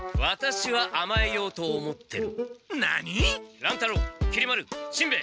乱太郎きり丸しんべヱ！